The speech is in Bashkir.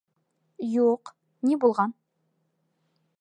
— Юҡ, ни булған?